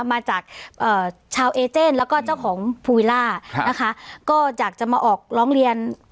มาจากชาวเอเจนแล้วก็เจ้าของภูวิล่านะคะก็อยากจะมาออกร้องเรียน